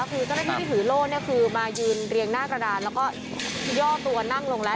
คือเจ้าหน้าที่ที่ถือโล่เนี่ยคือมายืนเรียงหน้ากระดานแล้วก็ย่อตัวนั่งลงแล้ว